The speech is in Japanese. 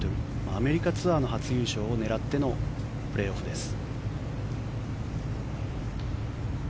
アメリカツアーの初優勝を狙ってのプレーオフです。